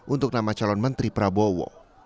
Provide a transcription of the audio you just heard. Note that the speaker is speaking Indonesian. untuk nama calon menteri prabowo